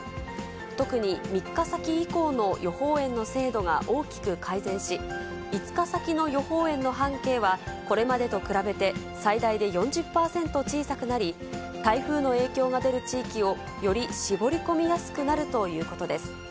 特に３日先以降の予報円の精度が大きく改善し、５日先の予報円の半径は、これまでと比べて、最大で４０％小さくなり、台風の影響が出る地域をより絞り込みやすくなるということです。